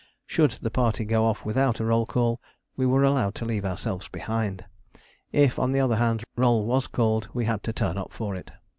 Should the party go off without a roll call, we were allowed to leave ourselves behind. If, on the other hand, roll was called, we had to turn up for it.